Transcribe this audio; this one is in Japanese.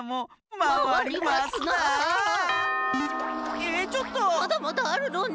まだまだあるのに。